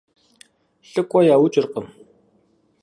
ЛӀыкӀуэ яукӀыркъым.